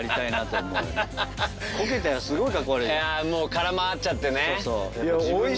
空回っちゃってね。